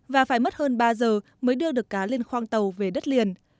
và phải mất hơn ba giờ mới đưa được cá lên khoang tàu về đất liền